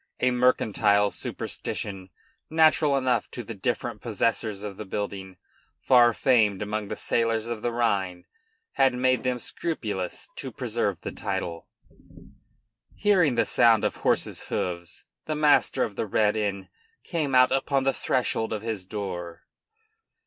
A mercantile superstition, natural enough to the different possessors of the building, far famed among the sailors of the Rhine, had made them scrupulous to preserve the title. Hearing the sound of horses' hoofs, the master of the Red Inn came out upon the threshold of his door.